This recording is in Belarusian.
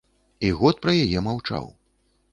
І год пра яе маўчаў.